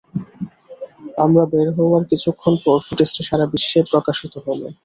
আমরা বের হওয়ার কিছুক্ষণ পর, ফুটেজটা সারা বিশ্বে প্রকাশিত হল।